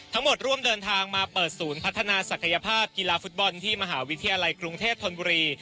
ร่วมเดินทางมาเปิดศูนย์พัฒนาศักยภาพกีฬาฟุตบอลที่มหาวิทยาลัยกรุงเทพธนบุรี